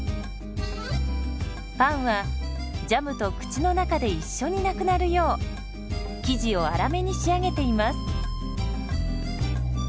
パンはジャムと口の中で一緒になくなるよう生地を粗めに仕上げています。